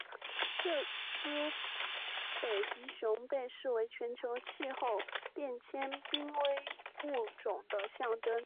这只北极熊被视为全球气候变迁濒危物种的象征。